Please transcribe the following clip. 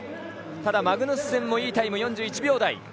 ただ、マグヌッセンもいいタイム４１秒台。